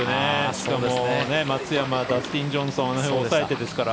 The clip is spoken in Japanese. しかも、松山ダスティン・ジョンソンを抑えてですから。